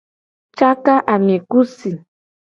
Caka ami ku si.